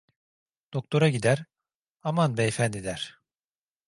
Doktora gider: "Aman beyefendi!" der.